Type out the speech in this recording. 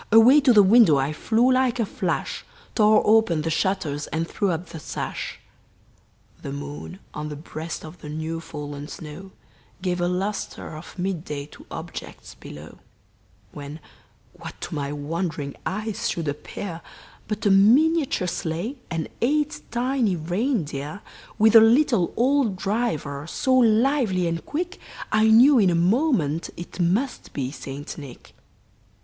Away to the window I flew like a flash, Tore open the shutters and threw up the sash; The moon on the breast of the new fallen snow Gave a luster of mid day to objects below; When, what to my wondering eyes should appear, But a miniature sleigh and eight tiny reindeer, With a little old driver, so lively and quick, I knew in a moment it must be St. Nick.